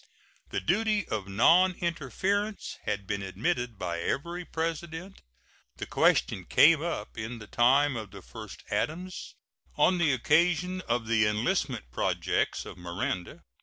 The duty of noninterference had been admitted by every President. The question came up in the time of the first Adams, on the occasion of the enlistment projects of Miranda.